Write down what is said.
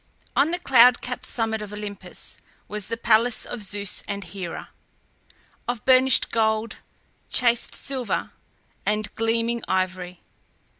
On the cloud capped summit of Olympus was the palace of Zeus and Hera, of burnished gold, chased silver, and gleaming ivory.